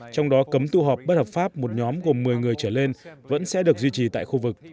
trong đó cấm tụ họp bất hợp pháp một nhóm gồm một mươi người trở lên vẫn sẽ được duy trì tại khu vực